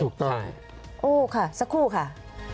ถูกต้องโอ้ค่ะสักครู่ค่ะ